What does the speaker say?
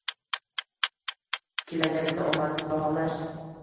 Kelajagini omadsiz baholash